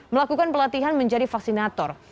melakukan pelatihan menjadi vaksinator